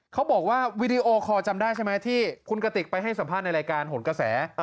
เขาบอกว่าวีดีโอคอร์จำได้ใช่ไหมที่คุณกติกไปให้สัมภาษณ์ในรายการหนกระแส